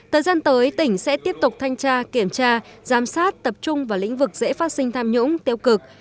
thời gian tới tỉnh sẽ tiếp tục thanh tra kiểm tra giám sát tập trung vào lĩnh vực dễ phát sinh tham nhũng tiêu cực